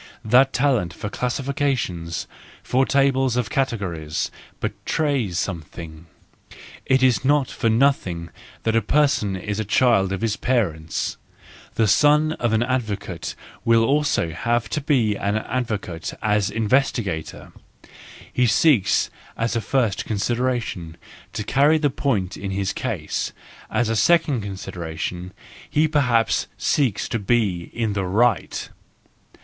The talent for classifications, for tables of categories, betrays something; it is not for nothing that a person is the child of his parents. The son of an advocate will also have to be an advocate as investigator: he seeks as a first con¬ sideration, to carry the point in his case, as a second consideration, he perhaps seeks to be in the right.